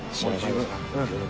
うん。